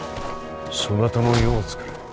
そなたの世をつくれ。